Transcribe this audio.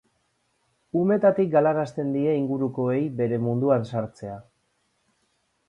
Umetatik galarazten die ingurukoei bere munduan sartzea.